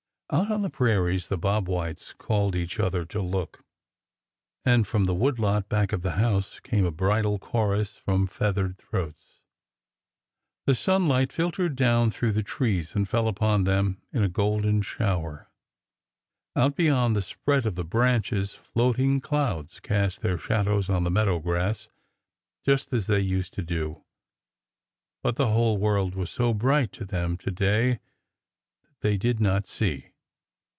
Out on the prairies the bob whites called each other to look, and from the wood lot back of the house came a bridal cho rus from feathered throats. The sunlight filtered down through the trees and fell upon them in a golden shower. Out beyond the spread of the branches, floating clouds cast their shadows on the meadow grass just as they used to do, but the whole world was so bright to them to day that they did not see.